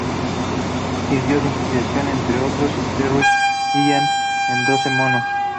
Sirvió de inspiración, entre otros, a Terry Gilliam, en "Doce monos".